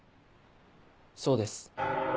そうです。